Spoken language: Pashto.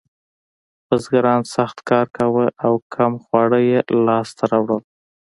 بزګرانو سخت کار کاوه او کم خواړه یې لاسته راوړل.